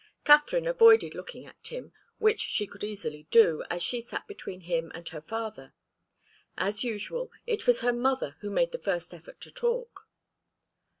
Katharine avoided looking at him, which she could easily do, as she sat between him and her father. As usual, it was her mother who made the first effort to talk.